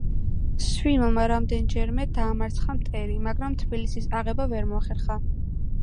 სვიმონმა რამდენიმეჯერმე დაამარცხა მტერი, მაგრამ Თბილისის აᲦება ვერ მოახერხა.